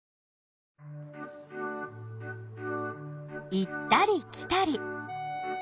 行ったり来たり。